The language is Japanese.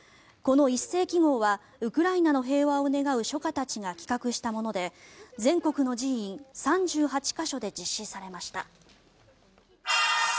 この一斉揮毫はウクライナの平和を願う書家たちが企画したもので全国の寺院３８か所で実施されました。